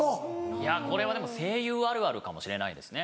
いやこれはでも声優あるあるかもしれないですね。